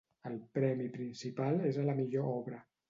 El premi principal és a la Millor Obra.